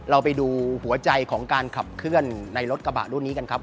เราไปดูหัวใจของการขับเคลื่อนในรถกระบะรุ่นนี้กันครับ